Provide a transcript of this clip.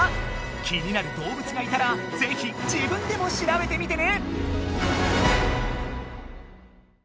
気になる動物がいたらぜひ自分でもしらべてみてね！